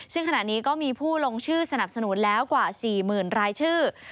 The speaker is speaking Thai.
ซึ่งขณะนี้ก็มีผู้ลงชื่อสนับสนุนแล้วกว่า๔๐๐๐รายชื่อ